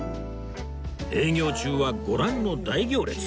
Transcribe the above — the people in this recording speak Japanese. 営業中はご覧の大行列